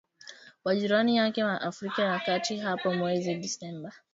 kwa jirani yake wa Afrika ya kati hapo mwezi Desemba